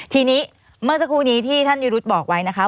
ทีนี้เมื่อสักครู่นี้ที่ท่านวิรุธบอกไว้นะคะ